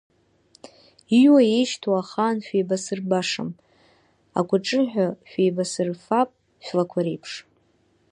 Иҩуа еишьҭоу ахаан шәеибасырбашам, аҟәаҿыҳәа шәеибасырфап шәлақәа реиԥш.